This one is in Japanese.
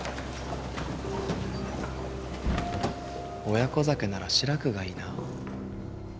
『親子酒』なら志らくがいいな。